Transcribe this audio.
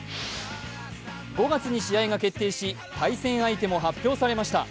５月に試合が決定し、対戦相手も発表されました。